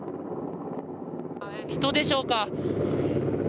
人でしょうか。